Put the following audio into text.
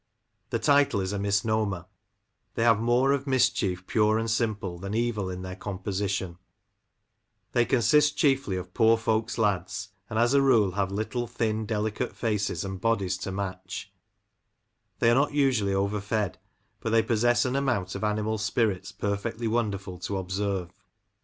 The title is a misnomer^ they have more of mischief pure and simple than evil in their compositioa They consist chiefly of poor folks' lads, and, as a rule, have little, thin, delicate faces, and bodies to match — ^they are not usually over fed — bat they possess an amount of animal spirits perfectly wonderful to observe.